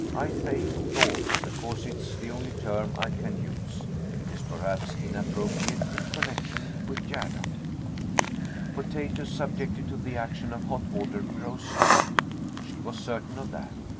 I say "thought" because it is the only term I can use. It is, perhaps, inappropriate in connection with Gerda. Potatoes, subjected to the action of hot water, grow soft. She was certain of that.